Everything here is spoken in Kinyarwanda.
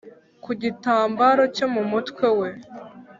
Ku gitambaro cyo mu mutwe we,